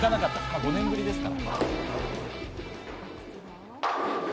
５年ぶりですから。